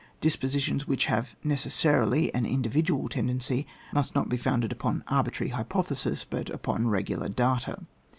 Dispositions which have necessarily an individual tendency, must not be founded upon arbitrary hypothesis, but upon regular data.